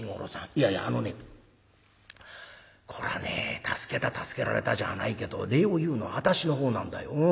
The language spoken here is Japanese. いやいやあのねこれはね助けた助けられたじゃないけど礼を言うのは私のほうなんだよ。